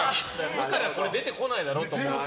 無からこれ出てこないだろうって。